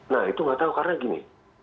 nah itu nggak tahu karena gini